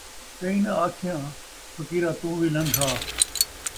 کئیں ناں آکھیاں ، فقیرا توں وی لن٘گھ آ